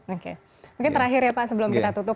oke mungkin terakhir ya pak sebelum kita tutup